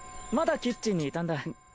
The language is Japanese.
まだキッチンにいたんだ？